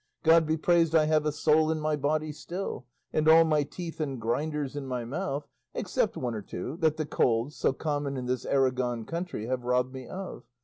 God be praised I have a soul in my body still, and all my teeth and grinders in my mouth, except one or two that the colds, so common in this Aragon country, have robbed me of.